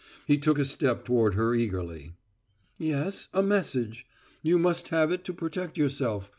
He took a step toward her eagerly. "Yes, a message. You must have it to protect yourself.